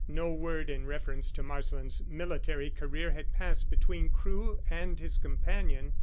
No word in reference to Marsland's military career had passed between Crewe and his companion.